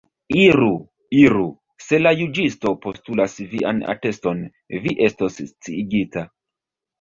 Iru, iru; se la juĝistoj postulas vian ateston, vi estos sciigita.